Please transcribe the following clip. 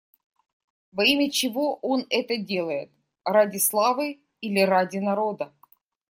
Во имя чего он это делает: ради славы или ради народа?